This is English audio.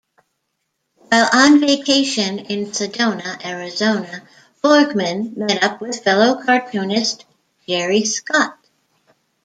While on vacation in Sedona, Arizona, Borgman met up with fellow cartoonist, Jerry Scott.